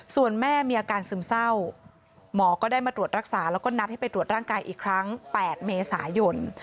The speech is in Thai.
ส่วนแม่มีอาการซึมเศร้าหมอก็ได้มาตรวจรักษาแล้วก็นัดให้ไปตรวจร่างกายอีกครั้ง๘เมษายน